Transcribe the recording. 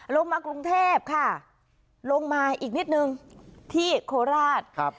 ลงมากรุงเทพค่ะลงมาอีกนิดนึงที่โคราชครับ